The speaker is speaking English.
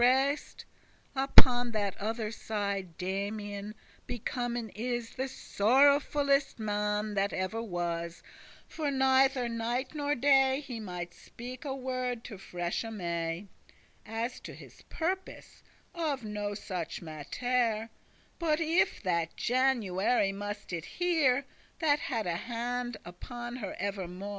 *expected burst Upon that other side Damian Becomen is the sorrowfullest man That ever was; for neither night nor day He mighte speak a word to freshe May, As to his purpose, of no such mattere, *But if* that January must it hear, *unless* That had a hand upon her evermo'.